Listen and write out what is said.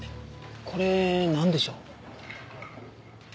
これなんでしょう？